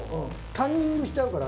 カンニングしちゃうから。